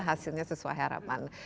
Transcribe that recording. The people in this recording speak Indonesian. hasilnya sesuai harapan